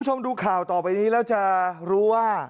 คุณผู้ชมดูข่าวต่อไปนี้แล้วจะรู้ว่า